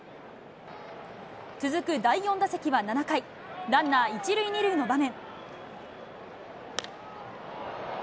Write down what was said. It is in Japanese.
続く第４打席は７回、ランナー１塁２塁の場面。